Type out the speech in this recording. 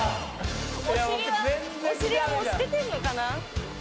お尻はお尻はもう捨ててんのかな。